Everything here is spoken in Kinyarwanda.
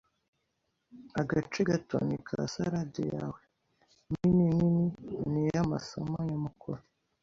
Agace gato ni ka salade yawe, nini nini ni iyamasomo nyamukuru.